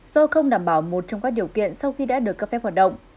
do không đảm bảo một trong các điều kiện sau khi đã được cấp phép hoạt động